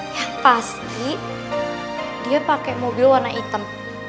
yang pasti dia pakai mobil warna hitam